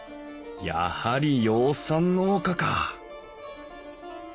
やはり養蚕農家か！